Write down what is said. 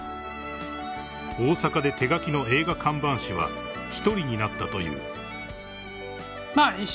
［大阪で手描きの映画看板師は１人になったという］